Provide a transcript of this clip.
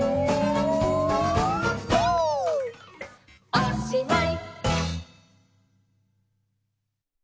おしまい！